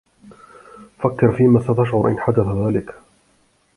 فكّر فيمَ ستشعر إن حدث ذلك لك.